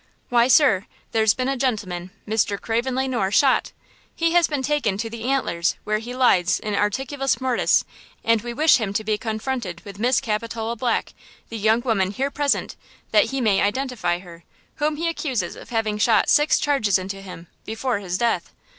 "Why, sir, there's been a gentleman, Mr. Craven Le Noir, shot. He has been taken to the Antlers, where he lies in articulus mortis, and we wish him to be confronted with Miss Capitola Black, the young woman here present, that he may identify her, whom he accuses of having shot six charges into him, before his death.